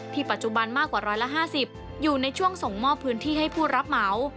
ปัจจุบันมากกว่า๑๕๐อยู่ในช่วงส่งมอบพื้นที่ให้ผู้รับเหมา